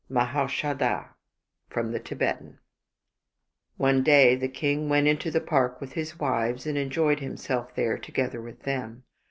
Mahaushadha From the Tibetan QNE day the king went into the park with his wives, and enjoyed himself there together with them.